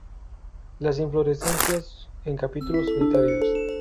Las inflorescencias en capítulos solitarios.